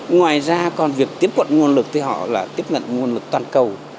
ngoài ra còn việc tiếp cận nguồn lực thì họ là tiếp nhận nguồn lực toàn cầu